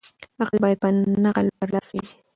عقل بايد په نقل برلاسی وي.